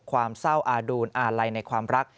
ความเศร้าอาดูลอาลัยในความรัก